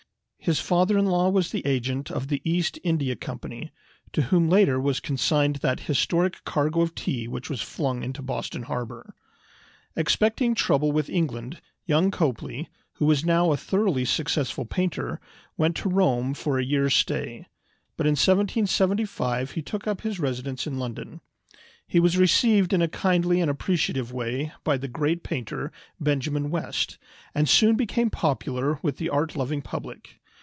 His father in law was the agent of the East India Company, to whom later was consigned that historic cargo of tea which was flung into Boston Harbor. Expecting trouble with England, young Copley, who was now a thoroughly successful painter, went to Rome for a year's stay; but in 1775 he took up his residence in London. He was received in a kindly and appreciative way by the great painter, Benjamin West, and soon became popular with the art loving public.